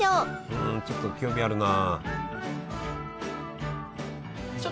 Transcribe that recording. うんちょっと興味あるな。